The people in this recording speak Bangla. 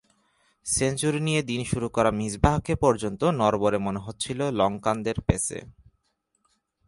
সেঞ্চুরি নিয়ে দিন শুরু করা মিসবাহকে পর্যন্ত নড়বড়ে মনে হচ্ছিল লঙ্কানদের পেসে।